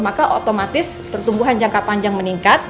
maka otomatis pertumbuhan jangka panjang meningkat